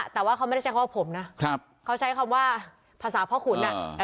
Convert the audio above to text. แต่ว่าเขาไม่ได้ใช้คำว่าผมนะเขาใช้คำว่าภาษาพ่อขุน